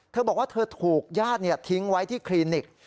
เธอบอกว่าเธอถูกญาติทิ้งไว้ที่คลินิก